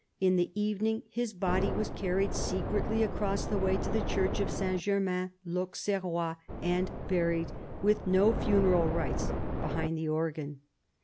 In the evening his body was carried secretly across the way to the Church of Saint Germain I'Auxerrois and buried, with no funeral rites, behind the organ.